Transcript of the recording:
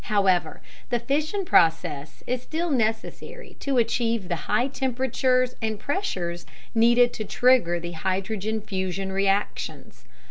However, the fission process is still necessary to achieve the high temperatures and pressures needed to trigger the hydrogen fusion reactions.